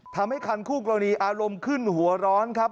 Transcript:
ทำให้คันคู่กรณีอารมณ์ขึ้นหัวร้อนครับ